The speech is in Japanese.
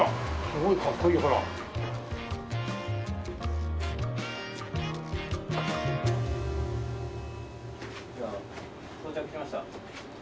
すごいかっこいいほら。到着しました。